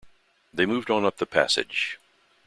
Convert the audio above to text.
They moved on up the passage.